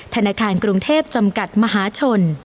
ธนาคารกรุงเทพจำกัดมหาชน